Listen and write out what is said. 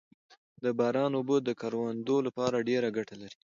د باران اوبه د کروندو لپاره ډېره ګټه لري